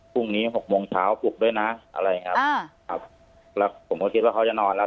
หกโมงเช้าปลุกด้วยนะอะไรครับอ่าครับแล้วผมก็คิดว่าเขาจะนอนแล้ว